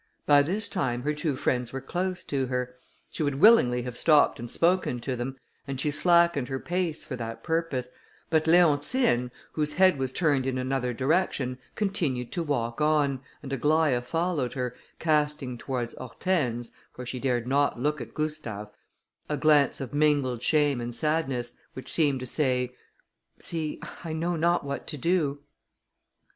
By this time her two friends were close to her; she would willingly have stopped and spoken to them, and she slackened her pace for that purpose, but Leontine, whose head was turned in another direction, continued to walk on, and Aglaïa followed her, casting towards Hortense, for she dared not look at Gustave, a glance of mingled shame and sadness, which seemed to say, "See, I know not what to do."